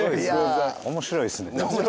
面白いっすね。